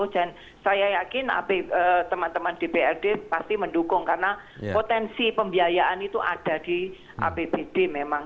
dan saya yakin teman teman dprd pasti mendukung karena potensi pembiayaan itu ada di apbd memang